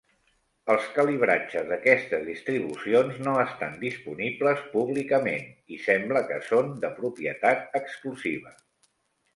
Els calibratges d'aquestes distribucions no estan disponibles públicament i sembla que són de propietat exclusiva.